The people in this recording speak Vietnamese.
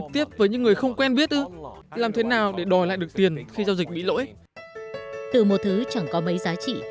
từ một thứ chẳng có mấy giá trị